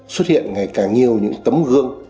xuất hiện ngày càng nhiều những tấm gương